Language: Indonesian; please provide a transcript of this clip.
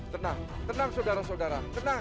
tenang tenang saudara saudara